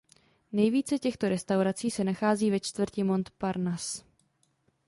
Nejvíce těchto restaurací se nachází ve čtvrti Montparnasse.